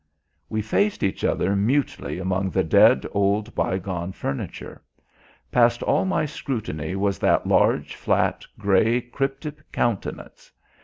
We faced each other mutely among the dead old bygone furniture. Past all my scrutiny was that large, flat, grey, cryptic countenance.